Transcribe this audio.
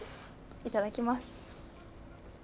いただきます。